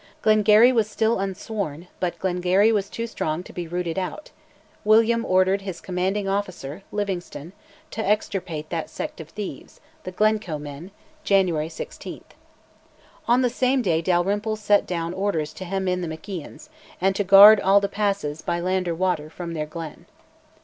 Glengarry was still unsworn, but Glengarry was too strong to be "rooted out"; William ordered his commanding officer, Livingstone, "to extirpate that sect of thieves," the Glencoe men (January 16). On the same day Dalrymple sent down orders to hem in the MacIans, and to guard all the passes, by land or water, from their glen.